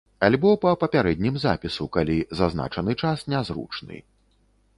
Альбо па папярэднім запісу, калі зазначаны час не зручны.